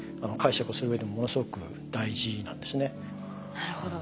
なるほど。